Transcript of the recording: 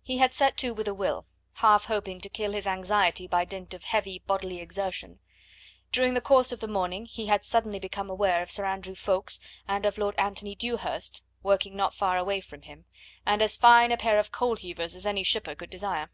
He had set to with a will, half hoping to kill his anxiety by dint of heavy bodily exertion. During the course of the morning he had suddenly become aware of Sir Andrew Ffoulkes and of Lord Anthony Dewhurst working not far away from him, and as fine a pair of coalheavers as any shipper could desire.